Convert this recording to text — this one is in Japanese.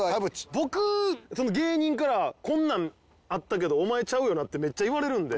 僕芸人から「こんなんあったけどお前ちゃうよな？」ってめっちゃ言われるんで。